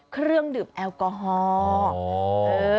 เครื่องดื่มแอลกอฮอล์